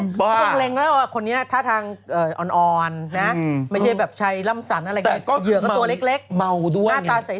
คงกลัวแล้วว่าคนนี้ท่าทางอ่อนไม่ใช่แบบใช้ร่ำสันอะไรแบบนี้เหยื่อก็ตัวเล็กหน้าตาใส